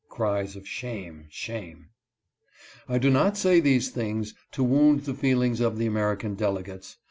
[Cries of 'Shame! shame!'] "I do not say these things to wound the feelings of the American delegates.